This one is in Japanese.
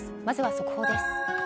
まずは速報です。